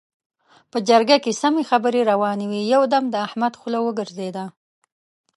په جرګه کې سمې خبرې روانې وې؛ يو دم د احمد خوله وګرځېده.